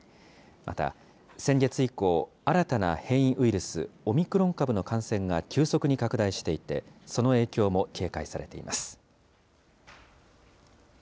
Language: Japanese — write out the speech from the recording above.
また、先月以降、新たな変異ウイルス、オミクロン株の感染が急速に拡大していて、その影響も警戒されています。